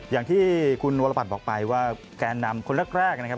อย่างที่คุณวรบัตรบอกไปว่าแกนนำคนแรกนะครับ